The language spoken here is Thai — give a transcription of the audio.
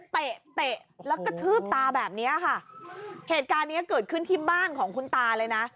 เตะเตะแล้วก็ทืบตาแบบเนี้ยค่ะเหตุการณ์เนี้ยเกิดขึ้นที่บ้านของคุณตาเลยนะ